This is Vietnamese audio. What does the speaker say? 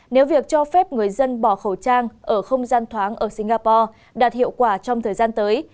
nếu việc cho phép người dân bỏ khẩu trang ở không gian thoáng ở singapore đạt hiệu quả trong thời gian tới